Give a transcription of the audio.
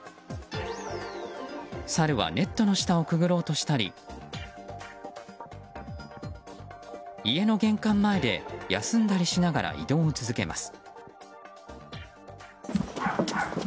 サルはネットの下をくぐろうとしたり家の玄関前で休んだりしながら移動を続けます。